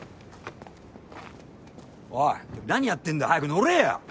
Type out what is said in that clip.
おい何やってんだ早く乗れよ。